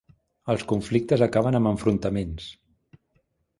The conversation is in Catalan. Els conflictes acaben amb enfrontaments.